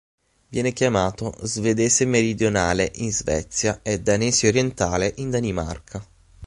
Viene chiamato "Svedese meridionale" in Svezia e "Danese orientale" in Danimarca.